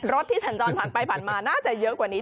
ที่สัญจรผ่านไปผ่านมาน่าจะเยอะกว่านี้